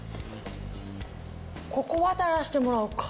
ここ渡らせてもらおうか。